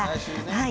はい。